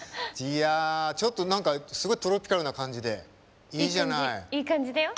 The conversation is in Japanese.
ちょっとすごいトロピカルな感じでいいじゃない。